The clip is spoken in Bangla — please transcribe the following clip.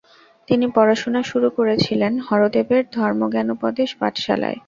তিনি পড়াশোনা শুরু করেছিলেন হরদেবের ধর্মজ্ঞানোপদেশ পাঠশালায়।